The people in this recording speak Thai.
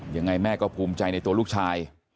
ยังไงแม่ก็ภูมิใจในตัวลูกชาย